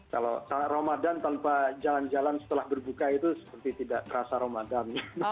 kalau ramadan tanpa jalan jalan setelah berbuka itu seperti tidak terasa ramadan